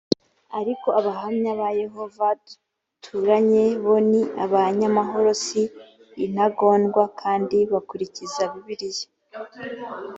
ariko abahamya ba yehova duturanye bo ni abanyamahoro si intagondwa kandi bakurikiza bibiliya